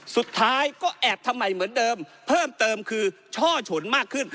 สุดท้ายก็แอบทำไมเหมือนเดิมเพิ่มเติมคือช่อฉนมากขึ้น